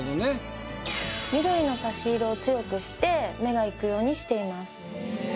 緑の差し色を強くして目がいくようにしています。